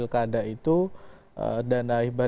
dana itu dana hibah